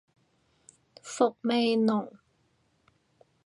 伏味濃